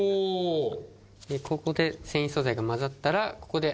ここで繊維素材が混ざったら。